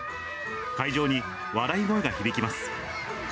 会場に笑い声が響きます。